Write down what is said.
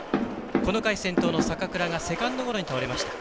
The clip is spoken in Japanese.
この回先頭の坂倉がセカンドゴロに倒れました。